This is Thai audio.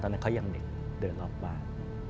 ถ้ามัน